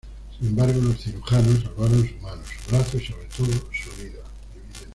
Sin embargo, los cirujanos salvaron su mano, su brazo y sobre todo su vida.